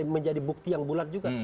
menjadi bukti yang bulat juga